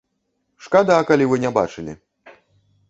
Шкада, калі вы не бачылі!